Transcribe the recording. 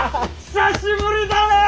久しぶりだなあ！